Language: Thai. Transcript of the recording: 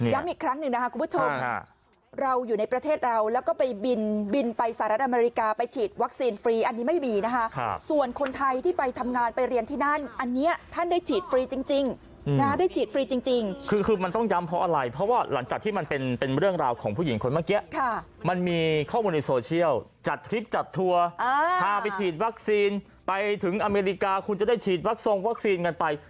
ย้ำอีกครั้งหนึ่งนะครับคุณผู้ชมเราอยู่ในประเทศเราแล้วก็ไปบินไปสหรัฐอเมริกาไปฉีดวัคซีนฟรีอันนี้ไม่มีนะครับส่วนคนไทยที่ไปทำงานไปเรียนที่นั้นอันนี้ท่านได้ฉีดฟรีจริงได้ฉีดฟรีจริงคือมันต้องย้ำเพราะอะไรเพราะว่าหลังจากที่มันเป็นเป็นเรื่องราวของผู้หญิงคนเมื่อกี้มันมีข้อมูลใน